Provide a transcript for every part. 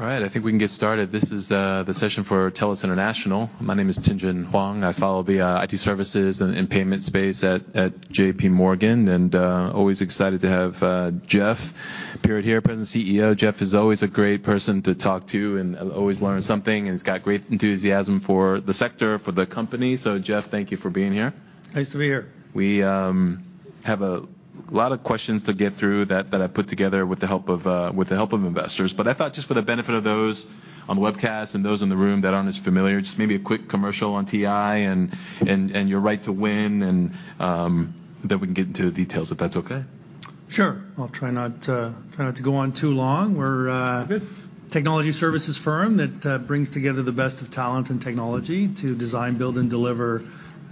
All right, I think we can get started. This is the session for TELUS International. My name is Tien-Tsin Huang. I follow the IT services and payment space at JPMorgan, and always excited to have Jeff Puritt here, President and CEO. Jeff is always a great person to talk to, and I always learn something, and he's got great enthusiasm for the sector, for the company. Jeff, thank you for being here. Nice to be here. We have a lot of questions to get through that I put together with the help of investors. But I thought just for the benefit of those on the webcast and those in the room that aren't as familiar, just maybe a quick commercial on TI and your right to win, and then we can get into the details, if that's okay. Sure. I'll try not to, try not to go on too long. We're a- Good. Technology services firm that brings together the best of talent and technology to design, build, and deliver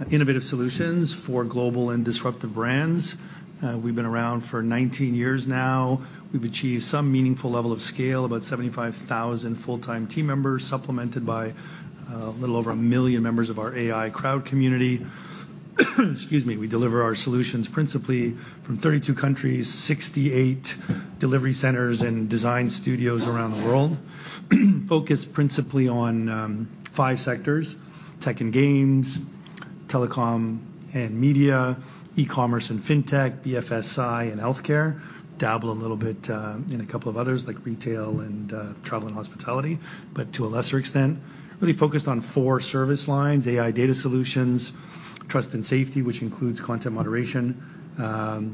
innovative solutions for global and disruptive brands. We've been around for 19 years now. We've achieved some meaningful level of scale, about 75,000 full-time team members, supplemented by a little over 1 million members of our AI crowd community. Excuse me. We deliver our solutions principally from 32 countries, 68 delivery centers and design studios around the world. Focused principally on five sectors: tech and games, telecom and media, e-commerce and fintech, BFSI, and healthcare. Dabble a little bit in a couple of others, like retail and travel and hospitality, but to a lesser extent. Really focused on four service lines: AI data solutions, trust and safety, which includes content moderation,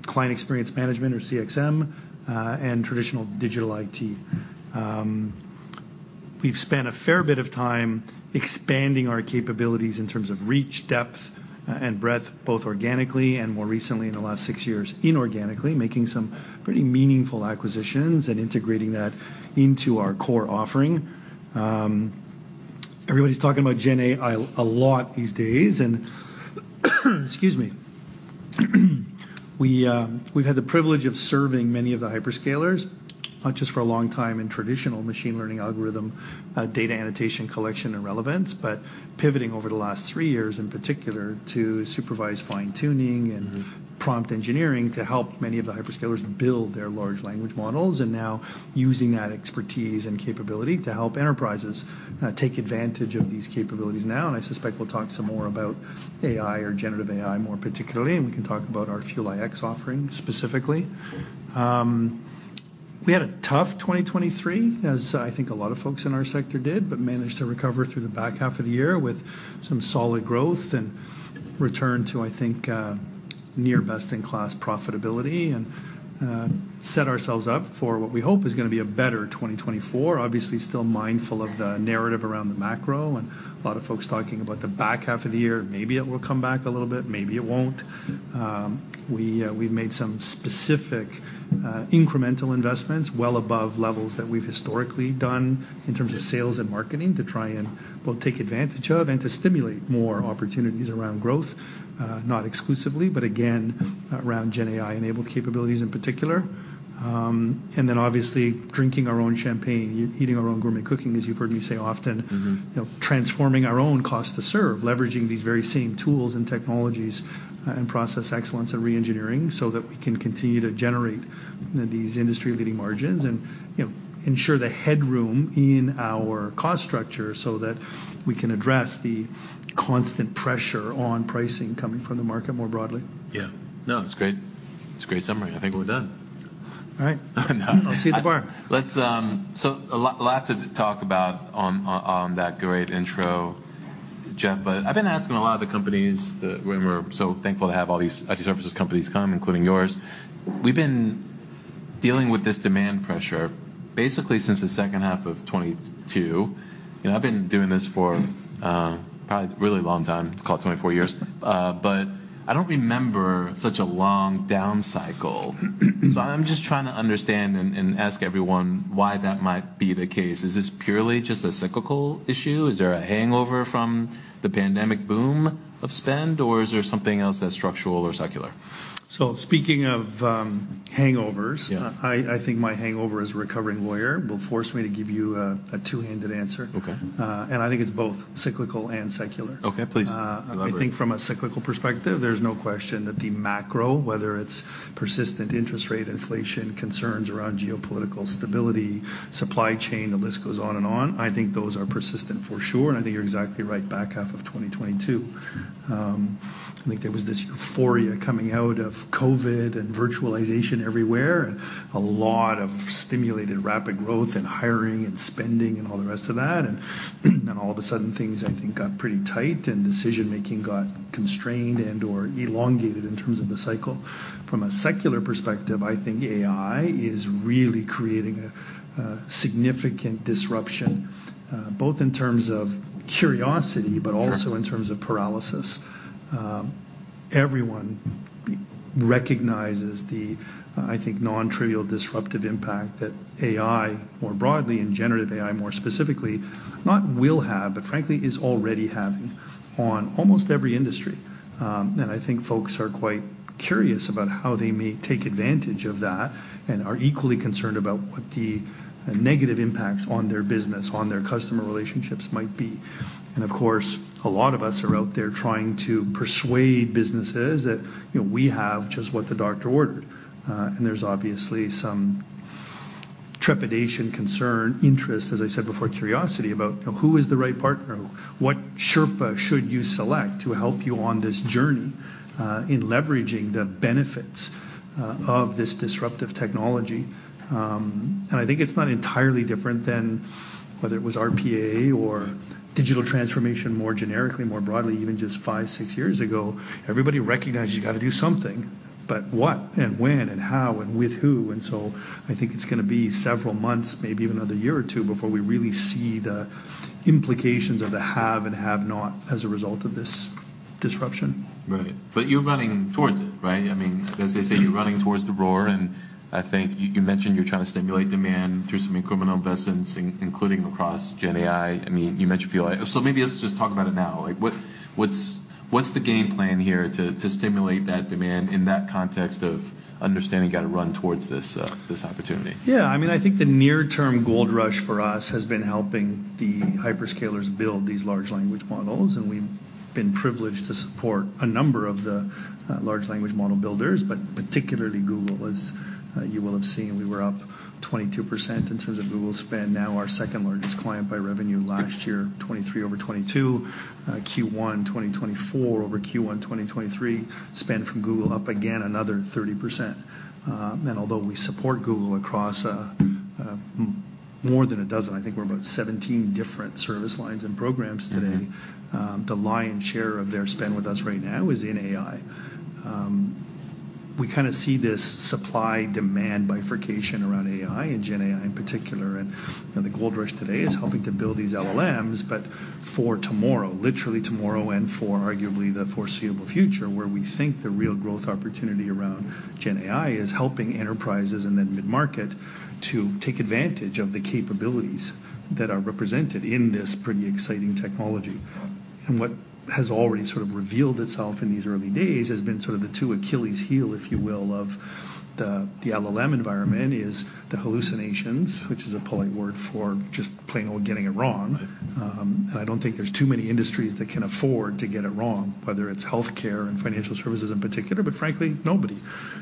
client experience management, or CXM, and traditional digital IT. We've spent a fair bit of time expanding our capabilities in terms of reach, depth, and breadth, both organically and more recently, in the last six years, inorganically, making some pretty meaningful acquisitions and integrating that into our core offering. Everybody's talking about GenAI a lot these days, and, excuse me. We've had the privilege of serving many of the hyperscalers just for a long time in traditional machine learning algorithm, data annotation, collection, and relevance. But pivoting over the last three years, in particular, to supervised fine-tuning and prompt engineering to help many of the hyperscalers build their large language models, and now using that expertise and capability to help enterprises take advantage of these capabilities now. And I suspect we'll talk some more about AI or generative AI, more particularly, and we can talk about our Fuel iX offering specifically. We had a tough 2023, as I think a lot of folks in our sector did, but managed to recover through the back half of the year with some solid growth and return to, I think, near best-in-class profitability. And set ourselves up for what we hope is gonna be a better 2024. Obviously, still mindful of the narrative around the macro, and a lot of folks talking about the back half of the year. Maybe it will come back a little bit, maybe it won't. We've made some specific, incremental investments, well above levels that we've historically done in terms of sales and marketing, to try and both take advantage of and to stimulate more opportunities around growth. Not exclusively, but again, around GenAI-enabled capabilities in particular. And then obviously, drinking our own champagne, eating our own gourmet cooking, as you've heard me say often. Mm-hmm. You know, transforming our own cost to serve, leveraging these very same tools and technologies, and process excellence and reengineering, so that we can continue to generate these industry-leading margins and, you know, ensure the headroom in our cost structure so that we can address the constant pressure on pricing coming from the market more broadly. Yeah. No, it's great. It's a great summary. I think we're done. All right. No. I'll see you at the bar. Let's so a lot to talk about on that great intro, Jeff, but I've been asking a lot of the companies that. We're so thankful to have all these IT services companies come, including yours. We've been dealing with this demand pressure basically since the second half of 2022. You know, I've been doing this for probably a really long time, call it 24 years, but I don't remember such a long down cycle. So I'm just trying to understand and ask everyone why that might be the case. Is this purely just a cyclical issue? Is there a hangover from the pandemic boom of spend, or is there something else that's structural or secular? Speaking of hangovers- Yeah. I think my hangover as a recovering lawyer will force me to give you a two-handed answer. Okay. I think it's both cyclical and secular. Okay, please. Go for it. I think from a cyclical perspective, there's no question that the macro, whether it's persistent interest rate, inflation, concerns around geopolitical stability, supply chain, the list goes on and on, I think those are persistent for sure, and I think you're exactly right, back half of 2022. I think there was this euphoria coming out of COVID and virtualization everywhere, and a lot of stimulated rapid growth and hiring and spending and all the rest of that. And all of a sudden, things, I think, got pretty tight, and decision-making got constrained and/or elongated in terms of the cycle. From a secular perspective, I think AI is really creating a significant disruption, both in terms of curiosity, but also in terms of paralysis. Everyone recognizes the, I think, nontrivial disruptive impact that AI, more broadly and generative AI, more specifically, not will have, but frankly, is already having on almost every industry. And I think folks are quite curious about how they may take advantage of that and are equally concerned about what the negative impacts on their business, on their customer relationships might be. And of course, a lot of us are out there trying to persuade businesses that, you know, we have just what the doctor ordered. And there's obviously trepidation, concern, interest, as I said before, curiosity about, you know, who is the right partner? What Sherpa should you select to help you on this journey, in leveraging the benefits, of this disruptive technology? I think it's not entirely different than whether it was RPA or digital transformation, more generically, more broadly, even just five or six years ago. Everybody recognized you gotta do something, but what and when and how, and with who? So I think it's gonna be several months, maybe even another year or two, before we really see the implications of the haves and have-nots as a result of this disruption. Right. But you're running towards it, right? I mean, as they say, you're running towards the roar, and I think you mentioned you're trying to stimulate demand through some incremental investments, including across GenAI. I mean, you mentioned Fuel iX. So maybe let's just talk about it now. Like, what's the game plan here to stimulate that demand in that context of understanding you gotta run towards this opportunity? Yeah, I mean, I think the near term gold rush for us has been helping the hyperscalers build these large language models, and we've been privileged to support a number of the large language model builders. But particularly Google, as you will have seen, we were up 22% in terms of Google spend, now our second largest client by revenue last year, 2023 over 2022. Q1 2024 over Q1 2023, spend from Google up again, another 30%. And although we support Google across more than a dozen, I think we're about 17 different service lines and programs today- Mm-hmm. The lion's share of their spend with us right now is in AI. We kinda see this supply-demand bifurcation around AI and GenAI in particular, and, you know, the gold rush today is helping to build these LLMs, but for tomorrow, literally tomorrow, and for arguably the foreseeable future, where we think the real growth opportunity around GenAI is helping enterprises and then mid-market to take advantage of the capabilities that are represented in this pretty exciting technology. What has already sort of revealed itself in these early days has been sort of the two Achilles' heels, if you will, of the LLM environment: the hallucinations, which is a polite word for just plain old getting it wrong. Right. And I don't think there's too many industries that can afford to get it wrong, whether it's healthcare and financial services in particular, but frankly, nobody,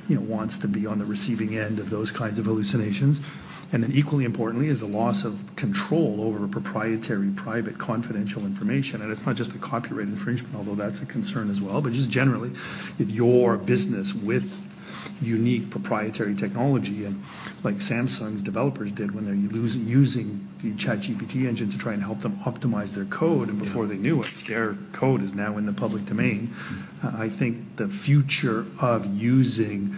you know, wants to be on the receiving end of those kinds of hallucinations. And then, equally importantly, is the loss of control over proprietary, private, confidential information. And it's not just the copyright infringement, although that's a concern as well, but just generally, if you're a business with unique proprietary technology, and like Samsung's developers did when they're using the ChatGPT engine to try and help them optimize their code- Yeah... and before they knew it, their code is now in the public domain. I think the future of using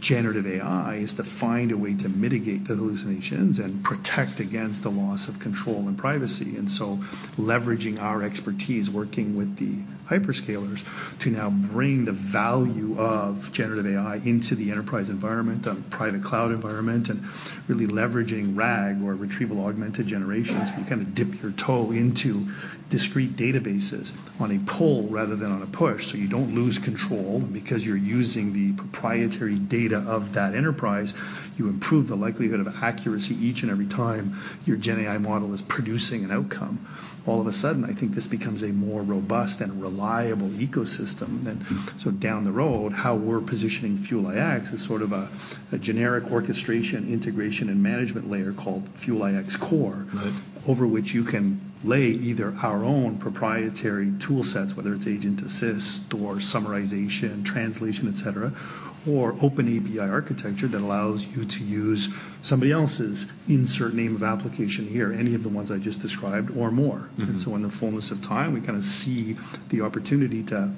generative AI is to find a way to mitigate the hallucinations and protect against the loss of control and privacy. And so leveraging our expertise, working with the hyperscalers to now bring the value of generative AI into the enterprise environment, on private cloud environment, and really leveraging RAG or retrieval-augmented generation, so you kinda dip your toe into discrete databases on a pull rather than on a push, so you don't lose control. Because you're using the proprietary data of that enterprise, you improve the likelihood of accuracy each and every time your GenAI model is producing an outcome. All of a sudden, I think this becomes a more robust and reliable ecosystem. Down the road, how we're positioning Fuel iX is sort of a generic orchestration, integration, and management layer called Fuel iX Core- Right... over which you can lay either our own proprietary tool sets, whether it's agent assist or summarization, translation, et cetera, or OpenAI architecture that allows you to use somebody else's, insert name of application here, any of the ones I just described or more. Mm-hmm. And so in the fullness of time, we kinda see the opportunity to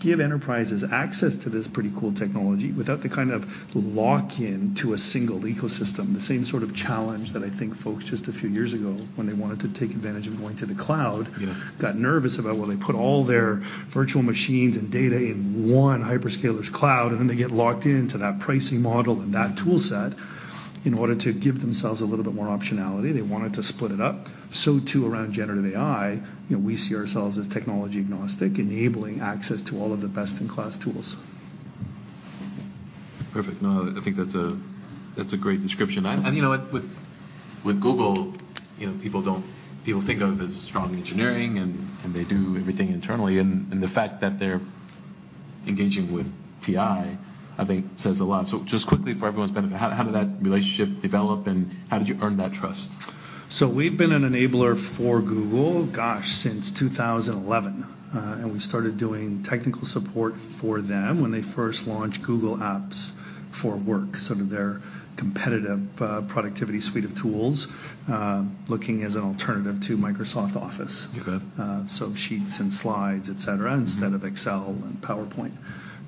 give enterprises access to this pretty cool technology without the kind of lock-in to a single ecosystem. The same sort of challenge that I think folks, just a few years ago, when they wanted to take advantage of going to the cloud- Yeah... got nervous about, well, they put all their virtual machines and data in one hyperscaler's cloud, and then they get locked in to that pricing model and that tool set. In order to give themselves a little bit more optionality, they wanted to split it up. So too, around generative AI, you know, we see ourselves as technology agnostic, enabling access to all of the best-in-class tools. Perfect. No, I think that's a, that's a great description. And, you know, with, with Google, you know, people don't—people think of as strong engineering, and, and they do everything internally. And, and the fact that they're engaging with TI, I think says a lot. So just quickly, for everyone's benefit, how, how did that relationship develop, and how did you earn that trust? We've been an enabler for Google, gosh, since 2011. We started doing technical support for them when they first launched Google Apps for Work, so their competitive productivity suite of tools, looking as an alternative to Microsoft Office. Okay. So Sheets and Slides, et cetera- Mm... instead of Excel and PowerPoint.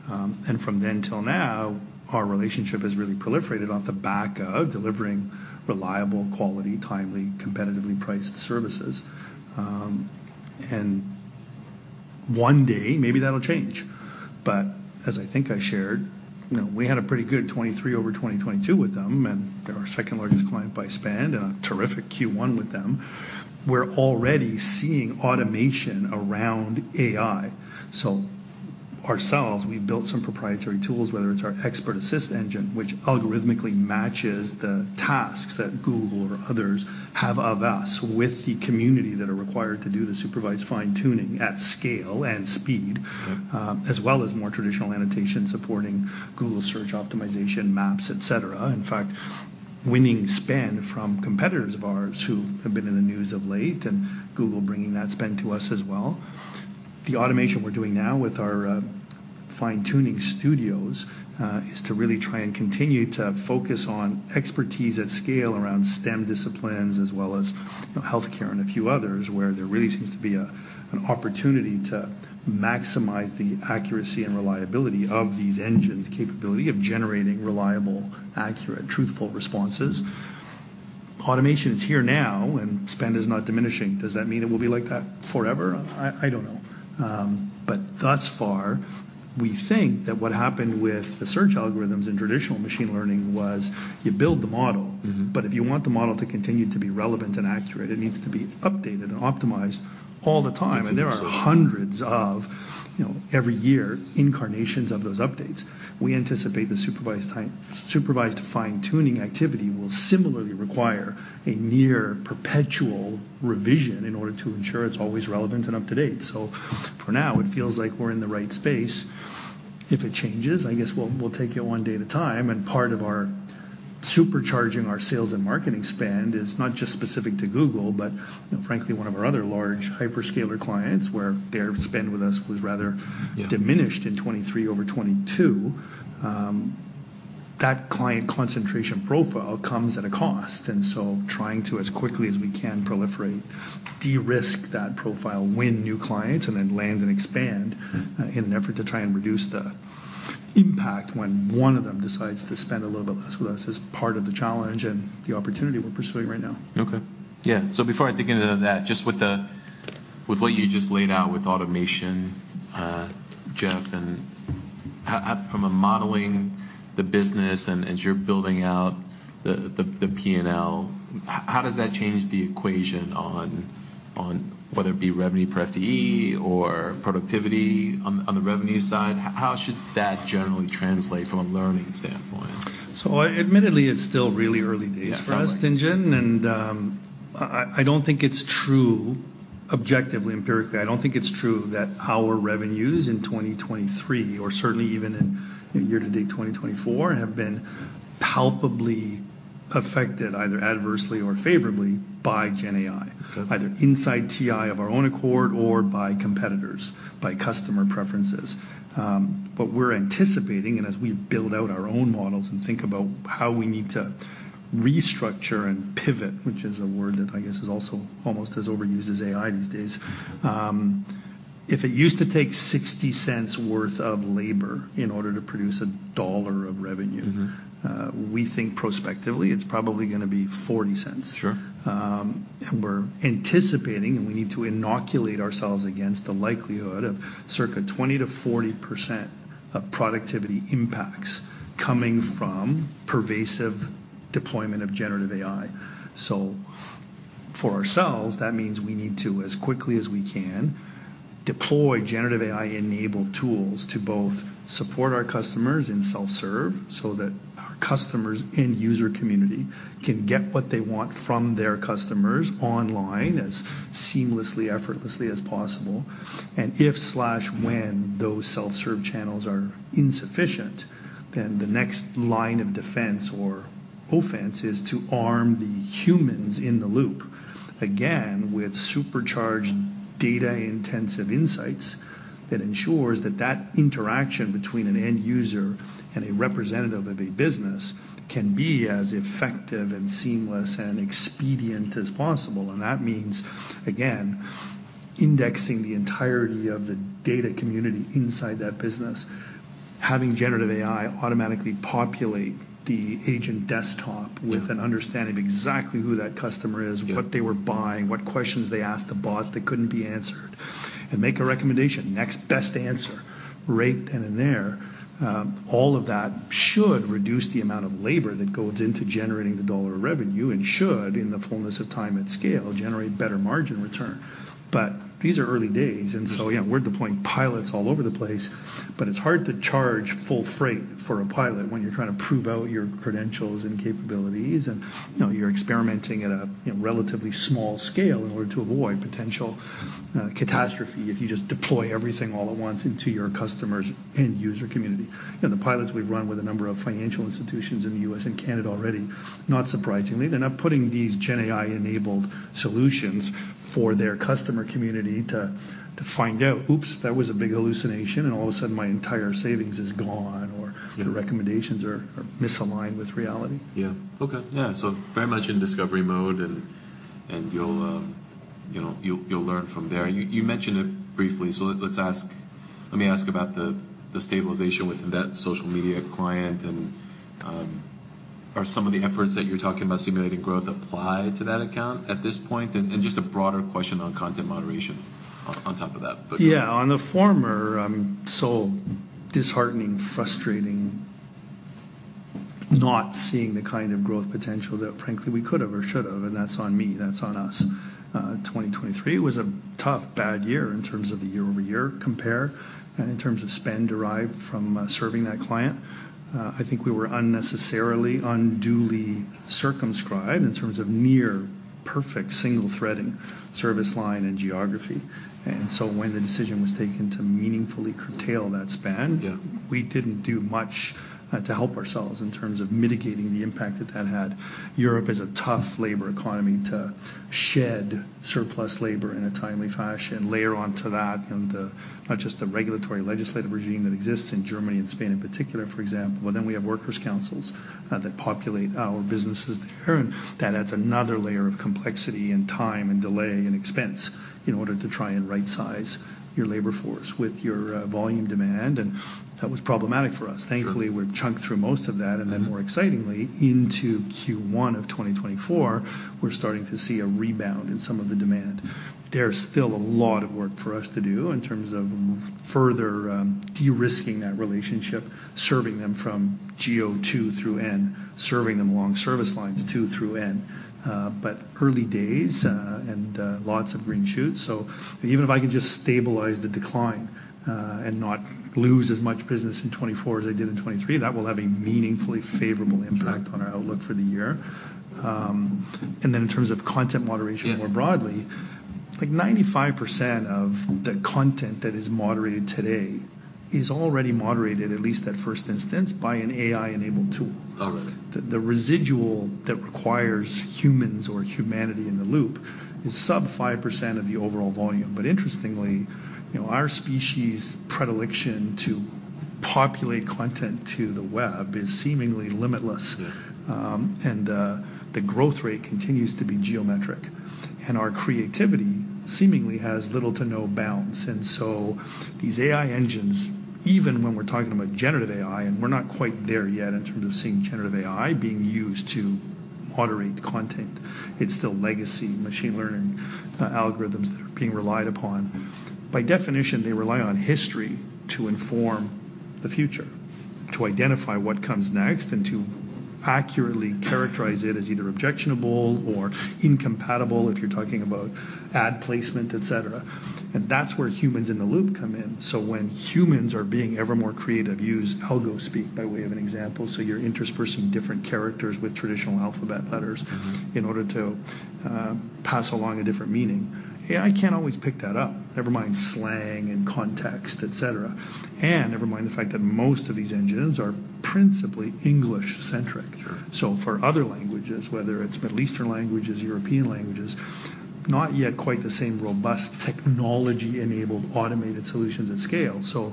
From then till now, our relationship has really proliferated off the back of delivering reliable, quality, timely, competitively priced services. One day, maybe that'll change, but as I think I shared, you know, we had a pretty good 2023 over 2022 with them, and they're our second largest client by spend, and a terrific Q1 with them. We're already seeing automation around AI. Ourselves, we've built some proprietary tools, whether it's our Expert Assist engine, which algorithmically matches the tasks that Google or others have of us, with the community that are required to do the supervised fine-tuning at scale and speed. Right... as well as more traditional annotation support.... Google search optimization, maps, et cetera. In fact, winning spend from competitors of ours who have been in the news of late, and Google bringing that spend to us as well. The automation we're doing now with our fine-tuning studios is to really try and continue to focus on expertise at scale around STEM disciplines, as well as, you know, healthcare and a few others, where there really seems to be an opportunity to maximize the accuracy and reliability of these engines' capability of generating reliable, accurate, truthful responses. Automation is here now, and spend is not diminishing. Does that mean it will be like that forever? I don't know. But thus far, we think that what happened with the search algorithms in traditional machine learning was, you build the model- Mm-hmm. But if you want the model to continue to be relevant and accurate, it needs to be updated and optimized all the time. It does. There are hundreds of, you know, every year, incarnations of those updates. We anticipate the supervised fine-tuning activity will similarly require a near perpetual revision in order to ensure it's always relevant and up to date. So for now, it feels like we're in the right space. If it changes, I guess we'll, we'll take it one day at a time, and part of our supercharging our sales and marketing spend is not just specific to Google, but frankly, one of our other large hyperscaler clients, where their spend with us was rather- Yeah... diminished in 2023 over 2022. That client concentration profile comes at a cost, and so trying to, as quickly as we can proliferate, de-risk that profile, win new clients, and then land and expand- Mm-hmm... in an effort to try and reduce the impact when one of them decides to spend a little bit less with us, is part of the challenge and the opportunity we're pursuing right now. Okay. Yeah. So before I dig into that, just with the, with what you just laid out with automation, Jeff, and from a modeling the business and, as you're building out the P&L, how does that change the equation on whether it be revenue per FTE or productivity on the revenue side? How should that generally translate from a learning standpoint? So admittedly, it's still really early days— Yeah. -For us, Tien-Tsin, I don't think it's true objectively, empirically, I don't think it's true that our revenues in 2023, or certainly even in year-to-date 2024, have been palpably affected, either adversely or favorably, by GenAI. Okay. Either inside TI of our own accord or by competitors, by customer preferences. But we're anticipating, and as we build out our own models and think about how we need to restructure and pivot, which is a word that I guess is also almost as overused as AI these days. If it used to take $0.60 worth of labor in order to produce $1 of revenue- Mm-hmm ... we think prospectively it's probably gonna be $0.40. Sure. We're anticipating, and we need to inoculate ourselves against the likelihood of circa 20%-40% of productivity impacts coming from pervasive deployment of generative AI. So for ourselves, that means we need to, as quickly as we can, deploy generative AI-enabled tools to both support our customers in self-serve, so that our customers and user community can get what they want from their customers online, as seamlessly, effortlessly as possible. And if/when those self-serve channels are insufficient, then the next line of defense or offense is to arm the humans in the loop, again, with supercharged data-intensive insights, that ensures that that interaction between an end user and a representative of a business can be as effective, and seamless, and expedient as possible. And that means, again, indexing the entirety of the data community inside that business, having generative AI automatically populate the agent desktop- Yeah... with an understanding of exactly who that customer is- Yeah... what they were buying, what questions they asked the bot that couldn't be answered, and make a recommendation. Next best answer, right then and there. All of that should reduce the amount of labor that goes into generating the dollar of revenue, and should, in the fullness of time and scale, generate better margin return. But these are early days, and so- Sure... yeah, we're deploying pilots all over the place, but it's hard to charge full freight for a pilot when you're trying to prove out your credentials and capabilities, and, you know, you're experimenting at a, you know, relatively small scale in order to avoid potential catastrophe if you just deploy everything all at once into your customers and user community. You know, the pilots we've run with a number of financial institutions in the U.S. and Canada already, not surprisingly, they're not putting these GenAI-enabled solutions for their customer community to find out, "Oops, that was a big hallucination, and all of a sudden my entire savings is gone," or- Yeah... "the recommendations are misaligned with reality. Yeah. Okay. Yeah, so very much in discovery mode, and you'll, you know, you'll learn from there. You mentioned it briefly, so let's ask—let me ask about the stabilization with that social media client and, are some of the efforts that you're talking about stimulating growth apply to that account at this point? And just a broader question on content moderation on top of that, but- Yeah, on the former, I mean, so disheartening, frustrating, not seeing the kind of growth potential that frankly, we could've or should've, and that's on me, that's on us. 2023 was a tough, bad year in terms of the year-over-year compare, and in terms of spend derived from serving that client. I think we were unnecessarily, unduly circumscribed in terms of near-perfect single thread in service line and geography. And so when the decision was taken to meaningfully curtail that span- Yeah. We didn't do much to help ourselves in terms of mitigating the impact that that had. Europe is a tough labor economy to shed surplus labor in a timely fashion. Layer onto that, you know, the not just the regulatory legislative regime that exists in Germany and Spain, in particular, for example, but then we have workers' councils that populate our businesses there, and that adds another layer of complexity and time and delay and expense in order to try and rightsize your labor force with your volume demand, and that was problematic for us. Sure. Thankfully, we've chunked through most of that. Mm-hmm. And then more excitingly, into Q1 of 2024, we're starting to see a rebound in some of the demand. There's still a lot of work for us to do in terms of further de-risking that relationship, serving them from geo 2 through N, serving them along service lines two through N. But early days, and lots of green shoots. So even if I can just stabilize the decline, and not lose as much business in 2024 as I did in 2023, that will have a meaningfully favorable impact- Sure -on our outlook for the year. And then in terms of content moderation- Yeah More broadly, like, 95% of the content that is moderated today is already moderated, at least at first instance, by an AI-enabled tool. All right. The residual that requires humans or humanity in the loop is sub-5% of the overall volume. But interestingly, you know, our species' predilection to populate content to the web is seemingly limitless. Yeah. The growth rate continues to be geometric, and our creativity seemingly has little to no bounds. So these AI engines, even when we're talking about generative AI, and we're not quite there yet in terms of seeing generative AI being used to moderate content, it's still legacy machine learning algorithms that are being relied upon. By definition, they rely on history to inform the future, to identify what comes next, and to accurately characterize it as either objectionable or incompatible, if you're talking about ad placement, et cetera. That's where humans in the loop come in. So when humans are being ever more creative, use algospeak, by way of an example, so you're interspersing different characters with traditional alphabet letters- Mm-hmm... in order to pass along a different meaning. AI can't always pick that up, never mind slang and context, et cetera. And never mind the fact that most of these engines are principally English-centric. Sure. So for other languages, whether it's Middle Eastern languages, European languages, not yet quite the same robust technology-enabled, automated solutions at scale. So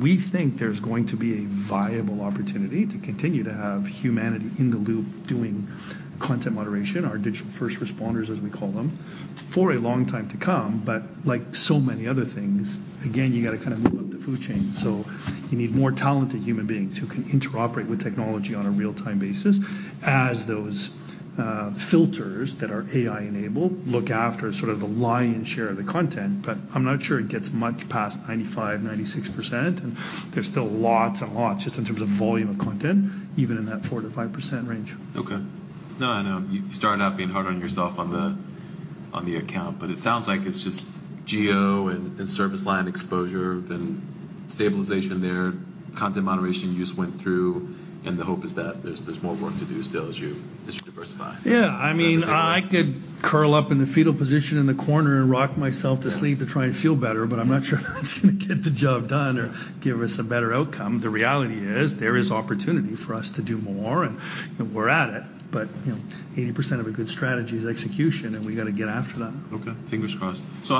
we think there's going to be a viable opportunity to continue to have humanity in the loop doing content moderation, our digital first responders, as we call them, for a long time to come. But like so many other things, again, you gotta kind of move up the food chain. So you need more talented human beings who can interoperate with technology on a real-time basis, as those, filters that are AI-enabled look after sort of the lion share of the content. But I'm not sure it gets much past 95, 96%, and there's still lots and lots, just in terms of volume of content, even in that 4%-5% range. Okay. No, I know. You started out being hard on yourself on the account, but it sounds like it's just geo and service line exposure, then stabilization there, content moderation you just went through, and the hope is that there's more work to do still as you diversify. Yeah. I mean- Is that fair? I could curl up in the fetal position in the corner and rock myself to sleep. Yeah -to try and feel better, but I'm not sure that's gonna get the job done or give us a better outcome. The reality is, there is opportunity for us to do more, and we're at it. But, you know, 80% of a good strategy is execution, and we gotta get after that. Okay, fingers crossed. So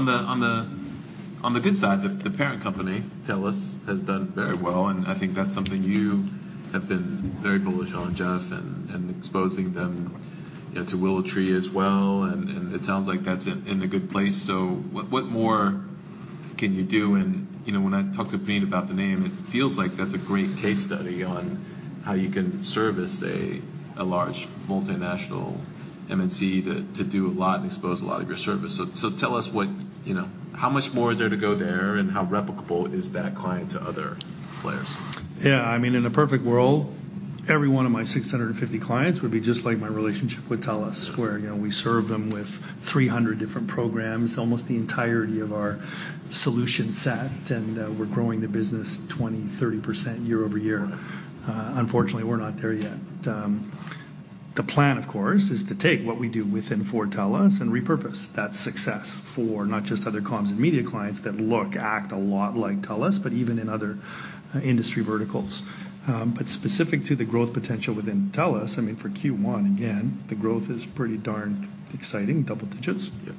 on the good side, the parent company, TELUS, has done very well, and I think that's something you have been very bullish on, Jeff, and exposing them, you know, to WillowTree as well. And it sounds like that's in a good place. So what more can you do? And, you know, when I talked to Puneet about the name, it feels like that's a great case study on how you can service a large multinational MNC to do a lot and expose a lot of your service. So tell us what... You know, how much more is there to go there, and how replicable is that client to other players? Yeah, I mean, in a perfect world, every one of my 650 clients would be just like my relationship with TELUS- Sure where, you know, we serve them with 300 different programs, almost the entirety of our solution set, and we're growing the business 20%-30% year-over-year. Wow! Unfortunately, we're not there yet. The plan, of course, is to take what we do within for TELUS and repurpose that success for not just other comms and media clients that look, act a lot like TELUS, but even in other industry verticals. But specific to the growth potential within TELUS, I mean, for Q1, again, the growth is pretty darn exciting, double digits. Yeah.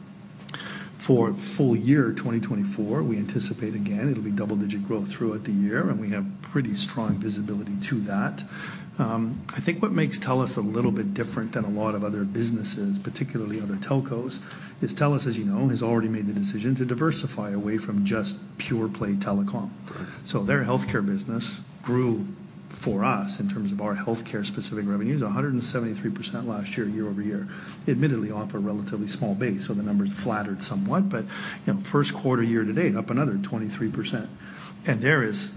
For full year 2024, we anticipate, again, it'll be double-digit growth throughout the year, and we have pretty strong visibility to that. I think what makes TELUS a little bit different than a lot of other businesses, particularly other telcos, is TELUS, as you know, has already made the decision to diversify away from just pure play telecom. Right. So their healthcare business grew, for us, in terms of our healthcare-specific revenues, 173% last year, year-over-year. Admittedly, off a relatively small base, so the numbers flattered somewhat, but, you know, first quarter year to date, up another 23%. And there is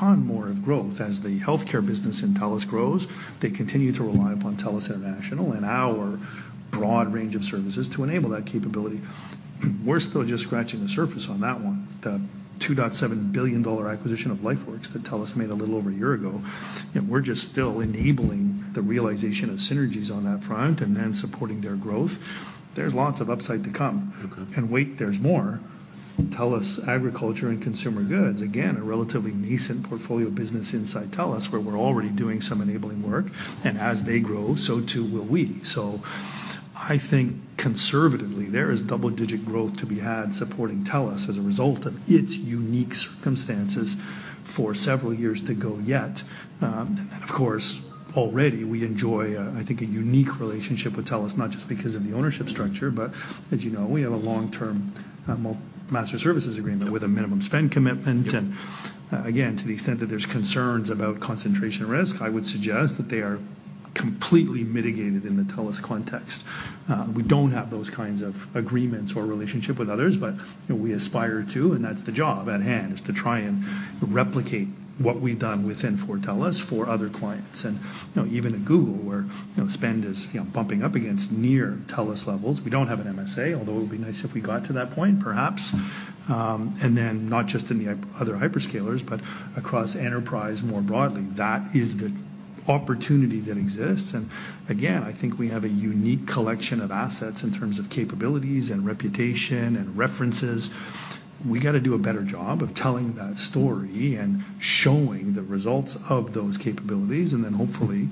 a ton more of growth. As the healthcare business in TELUS grows, they continue to rely upon TELUS International and our broad range of services to enable that capability. We're still just scratching the surface on that one. The $2.7 billion acquisition of LifeWorks that TELUS made a little over a year ago, and we're just still enabling the realization of synergies on that front and then supporting their growth. There's lots of upside to come. Okay. And wait, there's more. TELUS Agriculture & Consumer Goods, again, a relatively nascent portfolio business inside TELUS, where we're already doing some enabling work, and as they grow, so too will we. So I think conservatively, there is double-digit growth to be had supporting TELUS as a result of its unique circumstances for several years to go yet. And of course, already we enjoy, I think, a unique relationship with TELUS, not just because of the ownership structure, but as you know, we have a long-term master services agreement with a minimum spend commitment. Yep. Again, to the extent that there's concerns about concentration risk, I would suggest that they are completely mitigated in the TELUS context. We don't have those kinds of agreements or relationship with others, but, you know, we aspire to, and that's the job at hand, is to try and replicate what we've done within, for TELUS, for other clients. You know, even at Google, where, you know, spend is, you know, bumping up against near TELUS levels, we don't have an MSA, although it would be nice if we got to that point, perhaps. And then not just in the other hyperscalers, but across enterprise more broadly, that is the opportunity that exists. Again, I think we have a unique collection of assets in terms of capabilities and reputation and references. We gotta do a better job of telling that story and showing the results of those capabilities, and then hopefully,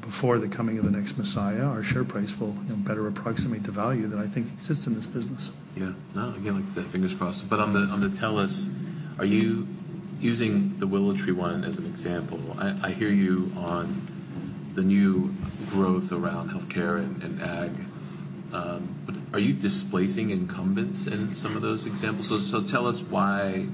before the coming of the next Messiah, our share price will, you know, better approximate the value that I think exists in this business. Yeah. No, again, like I said, fingers crossed. But on the, on the TELUS, are you using the WillowTree one as an example? I, I hear you on the new growth around healthcare and, and ag, but are you displacing incumbents in some of those examples? So, so tell us why,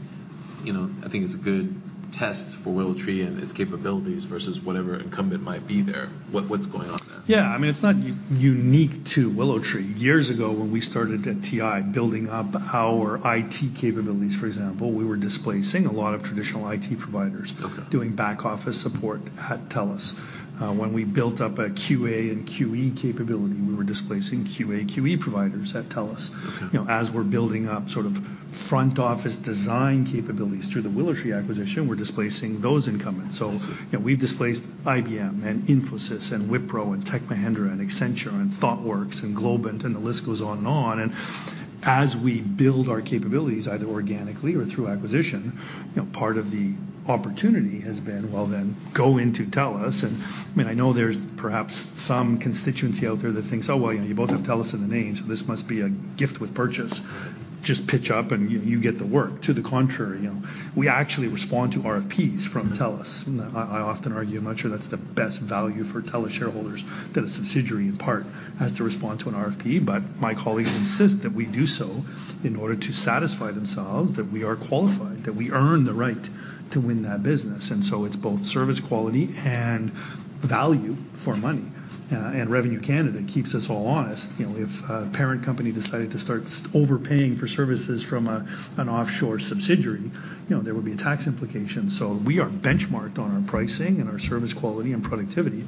you know, I think it's a good test for WillowTree and its capabilities versus whatever incumbent might be there. What, what's going on there? Yeah, I mean, it's not unique to WillowTree. Years ago, when we started at TI, building up our IT capabilities, for example, we were displacing a lot of traditional IT providers- Okay... doing back office support at TELUS. When we built up a QA and QE capability, we were displacing QA, QE providers at TELUS. Okay. You know, as we're building up sort of front office design capabilities through the WillowTree acquisition, we're displacing those incumbents. I see. So we've displaced IBM and Infosys and Wipro and Tech Mahindra and Accenture and Thoughtworks and Globant, and the list goes on and on. As we build our capabilities, either organically or through acquisition, you know, part of the opportunity has been, well, then go into TELUS. I mean, I know there's perhaps some constituency out there that thinks, "Oh, well, you know, you both have TELUS in the name, so this must be a gift with purchase. Just pitch up, and you, you get the work." To the contrary, you know, we actually respond to RFPs from TELUS. Mm-hmm. I often argue, I'm not sure that's the best value for TELUS shareholders, that a subsidiary, in part, has to respond to an RFP, but my colleagues insist that we do so in order to satisfy themselves that we are qualified, that we earn the right to win that business. And so it's both service quality and value for money. Revenue Canada keeps us all honest. You know, if a parent company decided to start overpaying for services from an offshore subsidiary, you know, there would be a tax implication. So we are benchmarked on our pricing and our service quality and productivity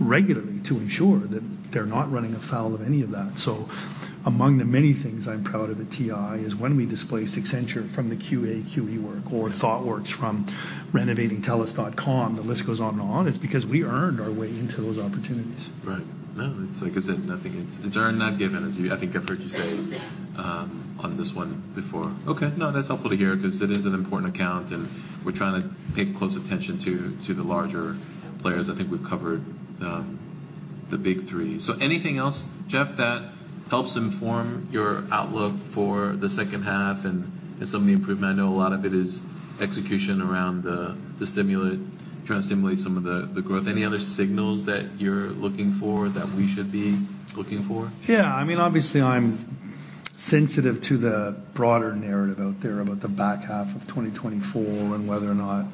regularly to ensure that they're not running afoul of any of that. So among the many things I'm proud of at TI is when we displaced Accenture from the QA, QE work, or Thoughtworks from renovating TELUS.com, the list goes on and on; it's because we earned our way into those opportunities. Right. No, it's like I said, nothing... It's, it's earned, not given, as you-- I think I've heard you say on this one before. Okay, no, that's helpful to hear, 'cause it is an important account, and we're trying to pay close attention to, to the larger players. I think we've covered the big three. So anything else, Jeff, that helps inform your outlook for the second half and, and some of the improvement? I know a lot of it is execution around the, the stimulate-- trying to stimulate some of the, the growth. Any other signals that you're looking for, that we should be looking for? Yeah. I mean, obviously, I'm sensitive to the broader narrative out there about the back half of 2024 and whether or not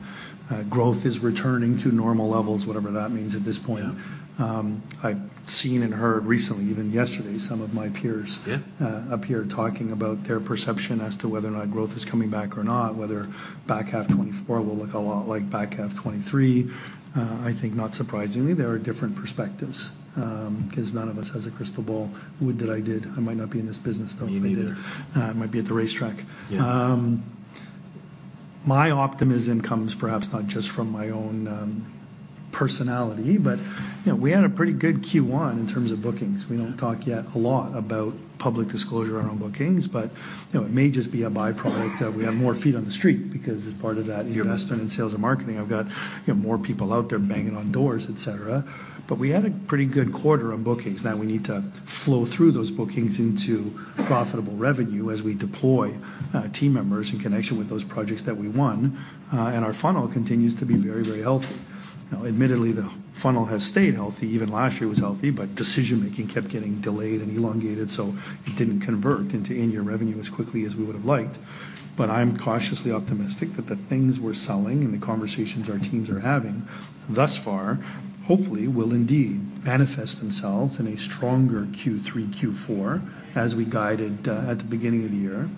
growth is returning to normal levels, whatever that means at this point. Yeah. I've seen and heard recently, even yesterday, some of my peers- Yeah... up here talking about their perception as to whether or not growth is coming back or not, whether back half 2024 will look a lot like back half 2023. I think, not surprisingly, there are different perspectives, 'cause none of us has a crystal ball. Would that I did. I might not be in this business, though. Me neither. I might be at the racetrack. Yeah. My optimism comes perhaps not just from my own personality, but, you know, we had a pretty good Q1 in terms of bookings. Yeah. We don't talk yet a lot about public disclosure around bookings, but, you know, it may just be a by-product of we have more feet on the street, because as part of that- Yeah... investment in sales and marketing, I've got, you know, more people out there banging on doors, et cetera. But we had a pretty good quarter on bookings. Now, we need to flow through those bookings into profitable revenue as we deploy team members in connection with those projects that we won. And our funnel continues to be very, very healthy. Now, admittedly, the funnel has stayed healthy. Even last year it was healthy, but decision-making kept getting delayed and elongated, so it didn't convert into in-year revenue as quickly as we would've liked. But I'm cautiously optimistic that the things we're selling and the conversations our teams are having thus far, hopefully, will indeed manifest themselves in a stronger Q3, Q4, as we guided at the beginning of the year.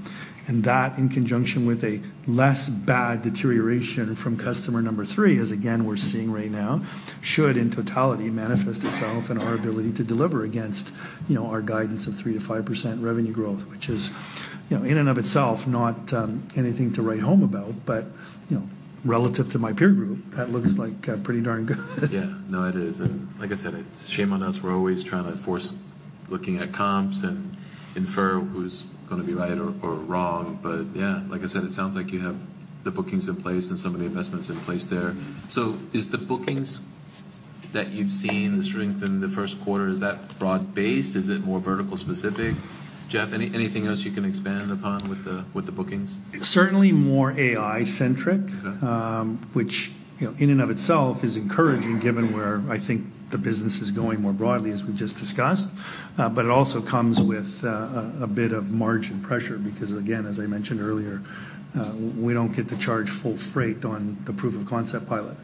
And that, in conjunction with a less bad deterioration from customer number three, as again, we're seeing right now, should, in totality, manifest itself in our ability to deliver against, you know, our guidance of 3%-5% revenue growth, which is, you know, in and of itself, not anything to write home about, but, you know, relative to my peer group, that looks like pretty darn good. Yeah. No, it is. And like I said, it's shame on us. We're always trying to force looking at comps and infer who's gonna be right or, or wrong. But yeah, like I said, it sounds like you have the bookings in place and some of the investments in place there. So is the bookings that you've seen, the strength in the first quarter, is that broad-based? Is it more vertical specific? Jeff, anything else you can expand upon with the bookings? Certainly more AI-centric. Okay. Which, you know, in and of itself is encouraging, given where I think the business is going more broadly, as we just discussed. But it also comes with a bit of margin pressure, because, again, as I mentioned earlier, we don't get to charge full freight on the proof of concept pilot.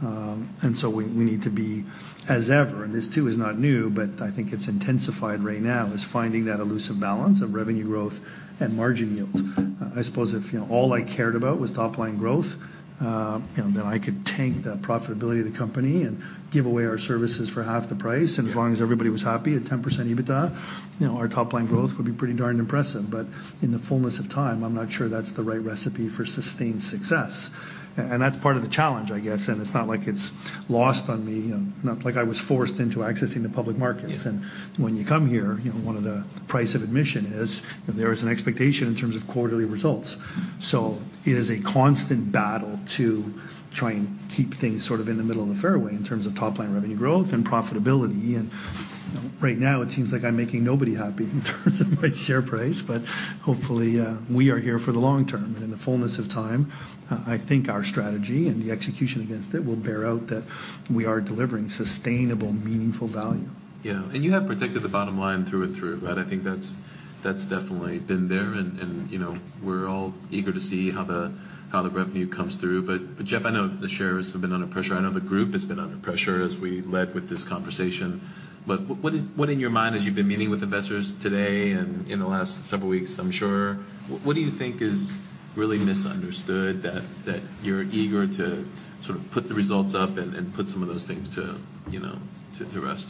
And so we need to be, as ever, and this, too, is not new, but I think it's intensified right now, is finding that elusive balance of revenue growth and margin yield. I suppose if, you know, all I cared about was top line growth, you know, then I could tank the profitability of the company and give away our services for half the price. Yeah. And as long as everybody was happy at 10% EBITDA, you know, our top line growth would be pretty darn impressive. But in the fullness of time, I'm not sure that's the right recipe for sustained success. And that's part of the challenge, I guess. And it's not like it's lost on me, you know, not like I was forced into accessing the public markets. Yeah. When you come here, you know, one of the price of admission is there is an expectation in terms of quarterly results. It is a constant battle to try and keep things sort of in the middle of the fairway in terms of top-line revenue growth and profitability. You know, right now, it seems like I'm making nobody happy in terms of my share price. But hopefully, we are here for the long term. In the fullness of time, I think our strategy and the execution against it will bear out that we are delivering sustainable, meaningful value. Yeah, and you have protected the bottom line through and through, and I think that's definitely been there. You know, we're all eager to see how the revenue comes through. But, Jeff, I know the shares have been under pressure. I know the group has been under pressure as we led with this conversation. But what in your mind, as you've been meeting with investors today and in the last several weeks, I'm sure, what do you think is really misunderstood that you're eager to sort of put the results up and put some of those things to, you know, to rest?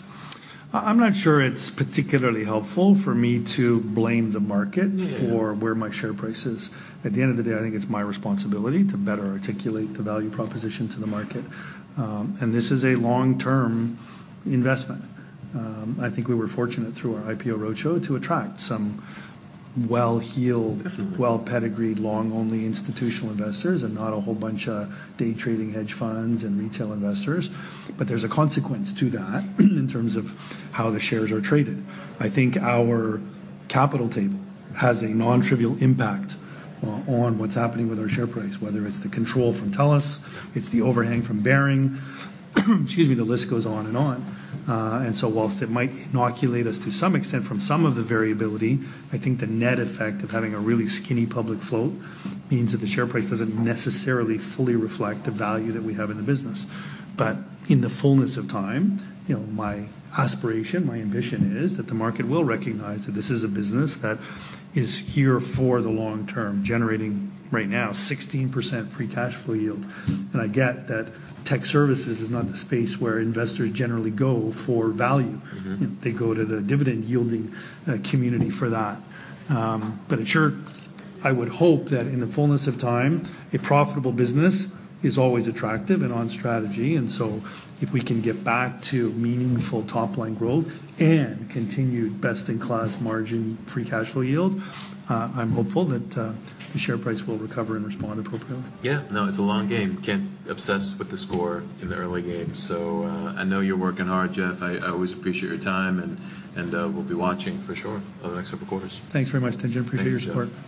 I'm not sure it's particularly helpful for me to blame the market- Yeah... for where my share price is. At the end of the day, I think it's my responsibility to better articulate the value proposition to the market. And this is a long-term investment. I think we were fortunate through our IPO roadshow to attract some well-heeled- Mm-hmm... well-pedigreed, long-only institutional investors and not a whole bunch of day trading hedge funds and retail investors. But there's a consequence to that, in terms of how the shares are traded. I think our capital table has a non-trivial impact on what's happening with our share price, whether it's the control from TELUS, it's the overhang from Baring. Excuse me. The list goes on and on. And so while it might inoculate us to some extent from some of the variability, I think the net effect of having a really skinny public float means that the share price doesn't necessarily fully reflect the value that we have in the business. But in the fullness of time, you know, my aspiration, my ambition is that the market will recognize that this is a business that is here for the long term, generating, right now, 16% free cash flow yield. And I get that tech services is not the space where investors generally go for value. Mm-hmm. They go to the dividend-yielding community for that. But I'm sure I would hope that in the fullness of time, a profitable business is always attractive and on strategy. And so if we can get back to meaningful top-line growth and continued best-in-class margin free cash flow yield, I'm hopeful that the share price will recover and respond appropriately. Yeah. No, it's a long game. Can't obsess with the score in the early game. So, I know you're working hard, Jeff. I always appreciate your time, and we'll be watching for sure over the next couple of quarters. Thanks very much, Tien-Tsin Huang. Appreciate it, Jeff. Appreciate your support.